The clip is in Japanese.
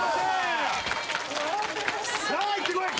さあいってこい！